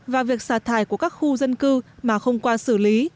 và việc xả thải của các khu dân cư mà không qua xử lý